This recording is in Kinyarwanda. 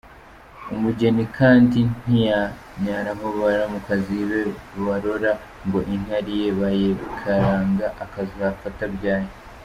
Umugeni kandi ntiyanyara aho baramukazi be barora, ngo inkari ye bayikaranga, akazapfa atabyaye.